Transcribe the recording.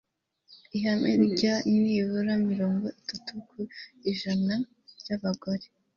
ihame rya nibura mirongo itatu ku ijana by'abagore